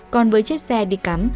còn với chiếc xe đi cắm